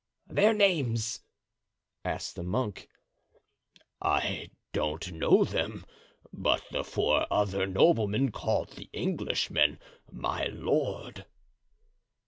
"Their names?" asked the monk. "I don't know them, but the four other noblemen called the Englishman 'my lord.